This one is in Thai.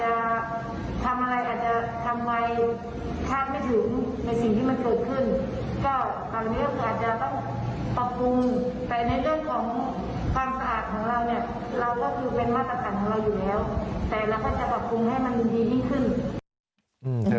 เราก็คือเป็นวัตถุการณ์ของเราอยู่แล้วแต่เราก็จะปรับปรุงให้มันดูดีดีขึ้น